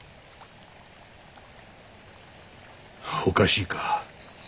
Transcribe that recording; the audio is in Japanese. おかしいか？